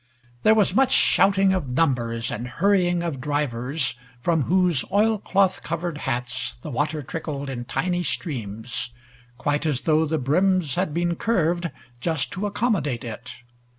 There was much shouting of numbers and hurrying of drivers, from whose oil cloth covered hats the water trickled in tiny streams, quite as though the brims had been curved just to accommodate it.